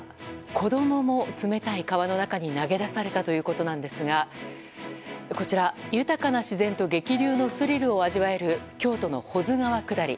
子供も冷たい川の中に投げ出されたということですがこちら、豊かな自然と激流のスリルを味わえる京都の保津川下り。